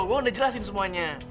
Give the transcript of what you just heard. gua kan udah jelasin semuanya